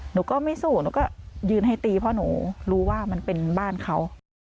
หนูก็ไม่สู้หนูก็ยืนให้ตีเพราะหนูรู้ว่ามันเป็นบ้านเขา